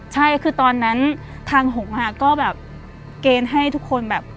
ใช่คือตอนนั้นทางหงาก็แบบเกณฑ์ให้ทุกคนแบบ